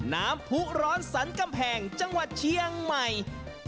ผู้ร้อนสรรกำแพงจังหวัดเชียงใหม่